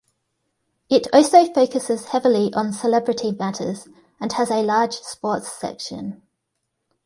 It also focuses heavily on celebrity matters, and has a large sports section.